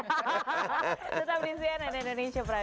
tetap di cnn indonesia prime